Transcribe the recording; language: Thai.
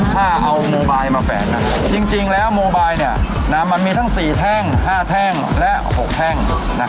ถ้าเอาโมบายมาแฝนจริงแล้วโมบายมันมีทั้ง๔แท่ง๕แท่งและ๖แท่ง